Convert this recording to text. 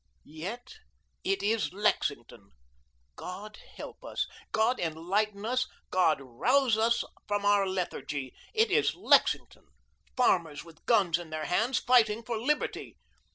"Yet it is Lexington God help us, God enlighten us, God rouse us from our lethargy it is Lexington; farmers with guns in their hands fighting for Liberty.